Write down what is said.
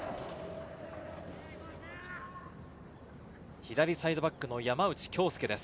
左サイドバックの山内恭輔です。